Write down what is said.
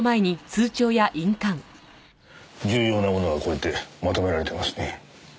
重要なものはこうやってまとめられてますね。